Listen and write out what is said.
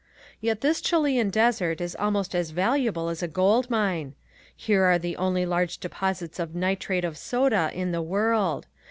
Yet this Chilean desert is almost as valuable as a gold mine. Here are the only large deposits of nitrate of soda in the world.